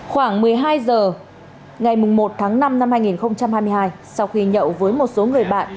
khoảng một mươi hai h ngày một tháng năm năm hai nghìn hai mươi hai sau khi nhậu với một số người bạn